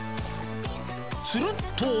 すると。